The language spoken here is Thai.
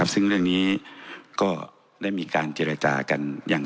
ซึ่งเรื่องนี้ก็ได้มีการจิริจากัน